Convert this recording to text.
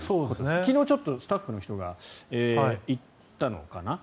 昨日ちょっとスタッフの人が行ったのかな。